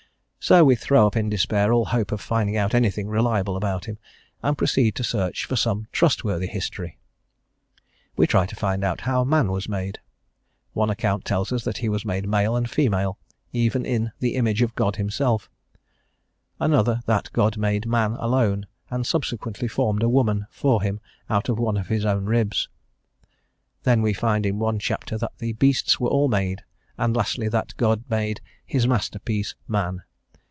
So we throw up in despair all hope of finding out anything reliable about Him, and proceed to search for some trustworthy history. We try to find out how man was made. One account tells us that he was made male and female, even in the image of God Himself; another that God made man alone, and subsequently formed a woman for him out of one of his own ribs. Then we find in one chapter that the beasts were all made, and, lastly, that God made "His masterpiece, man."